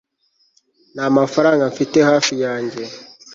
Nta mafaranga mfite hafi yanjye